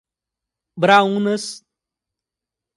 Braúnas